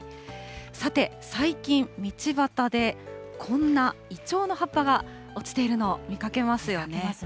さて、最近、道端でこんなイチョウの葉っぱが落ちているのを見かけますよね。